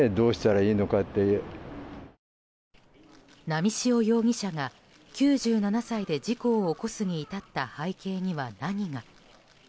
波汐容疑者が９７歳で事故を起こすに至った背景には何が。